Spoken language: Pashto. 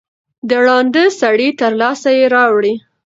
د ړانده سړي تر لاسه یې راوړی